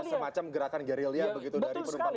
semacam gerakan gerilya begitu dari penumpang